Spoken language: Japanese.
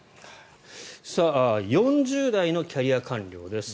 ４０代のキャリア官僚です。